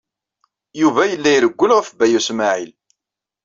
Yuba yella irewwel ɣef Baya U Smaɛil.